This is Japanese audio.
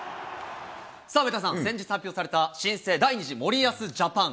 上田さん、先日発表された新生第２次森保ジャパン。